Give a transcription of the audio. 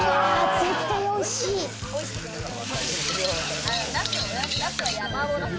絶対おいしい！